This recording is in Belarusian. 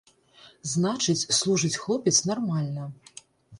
Значыць, служыць хлопец нармальна.